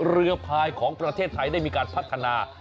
เรือพายของประเทศไทยได้มีการพัฒนา